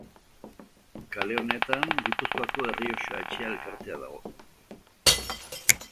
Kale honetan Gipuzkoako Errioxa etxea elkartea dago.